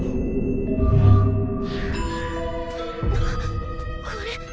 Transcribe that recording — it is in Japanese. あっこれ